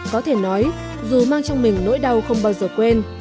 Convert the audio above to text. có thể nói dù mang trong mình nỗi đau không bao giờ quên